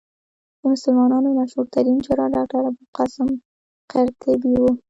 د مسلمانانو مشهورترين جراح ډاکټر ابوالقاسم قرطبي وو.